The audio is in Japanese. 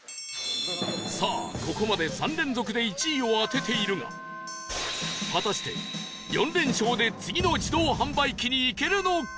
さあここまで３連続で１位を当てているが果たして４連勝で次の自動販売機にいけるのか？